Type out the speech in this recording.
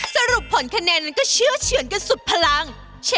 สรุปผลคะแนนก็เชื่อเฉือนกันสุดพลัง